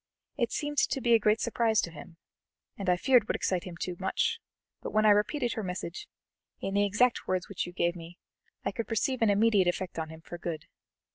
It seemed to be a great surprise to him, and I feared would excite him too much; but when I repeated her message, in the exact words which you gave me, I could perceive an immediate effect on him for good.